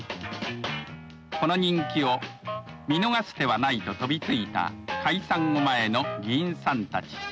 この人気を見逃す手はないと飛びついた解散前の議員さんたち。